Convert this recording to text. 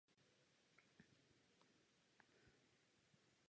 Navíc tyto pozice mohou být různé od místní regionální po národní a nadnárodní úroveň.